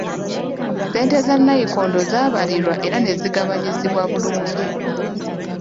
Ssente za nnayikondo zaabalirirwa era ne zigabanyizibwa bulungi.